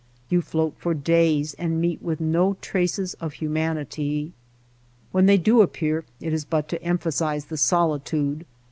You float for days and meet with no traces of humanity. When they do appear it is but to emphasize the solitude.